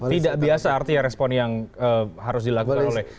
tidak biasa artinya respon yang harus dilakukan oleh